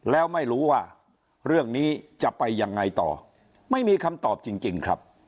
แล้วไม่รู้ว่าเรื่องนี้จะไปยังไงต่อไม่มีคำตอบจริงครับ